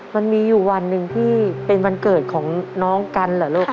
มันมีอยู่วันหนึ่งที่เป็นวันเกิดของน้องกันเหรอลูก